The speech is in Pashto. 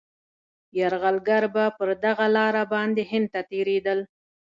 یرغلګر به پر دغه لاره باندي هند ته تېرېدل.